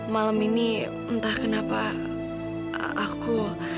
malam ini entah kenapa aku